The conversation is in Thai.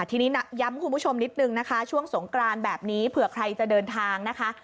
ทีนี้ย้ำคุณผู้ชมนิดนึงนะคะช่วงสงกรานแบบนี้เผื่อใครจะเดินทางนะคะ